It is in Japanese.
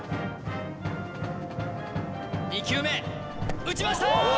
２球目打ちましたー！